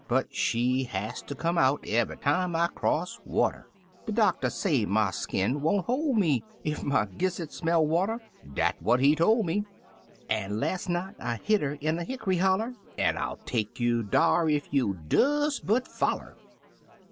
But she has ter come out evey time 1 cross water ; De doctor say my skin won't hoi' me Ef my gizzard smell water — dat what he tol' me; An' las' night I htd 'er in a hick'ry holler, An' I'll take you dar ef you'll des but foller."